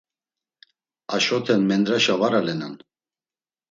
Aşoten mendraşa var alenan.